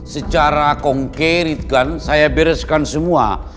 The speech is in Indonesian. secara konkret kan saya bereskan semua